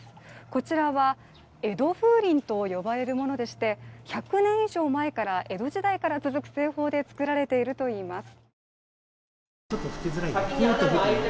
こちらは江戸風鈴と呼ばれるものでして、１００年以上前から、江戸時代から続く製法で作られているといいます。